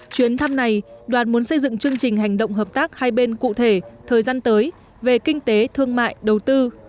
chuyến thăm này đoàn muốn xây dựng chương trình hành động hợp tác hai bên cụ thể thời gian tới về kinh tế thương mại đầu tư